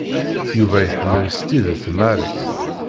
Yuba iḥemmel s tidet Mary.